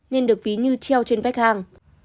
nên được ví như treo trên vách hang